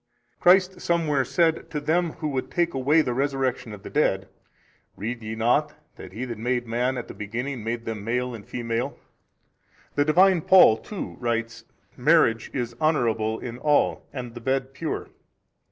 A. Christ somewhere said to them who would take away the resurrection of the dead, Read ye not that He which made man at the beginning made them male and female, the Divine Paul too writes, Marriage is honourable in all and the bed pure.